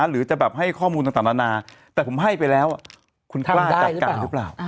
หรือจะแบบให้ข้อมูลต่างนานาแต่ผมให้ไปแล้วคุณกล้าจัดการหรือเปล่า